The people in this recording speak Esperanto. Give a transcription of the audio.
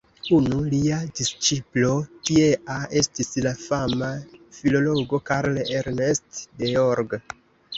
Unu lia disĉiplo tiea estis la fama filologo Karl Ernst Georges.